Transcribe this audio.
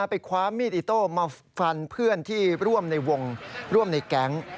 ไปคว้ามีดอิโต้มาฟันเพื่อนที่ร่วมในวงร่วมในแก๊ง